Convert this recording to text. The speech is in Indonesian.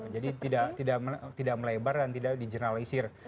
jadi tidak melebar dan tidak dijurnalisir